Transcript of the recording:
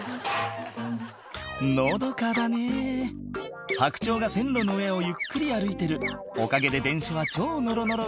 のどかだねぇ白鳥が線路の上をゆっくり歩いてるおかげで電車は超ノロノロ